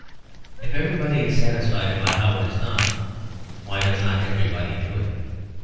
If everybody is satisfied about how it is done, why does not everybody do it?